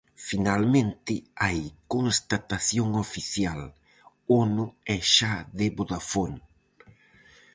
Finalmente hai constatación oficial: Ono é xa de Vodafone.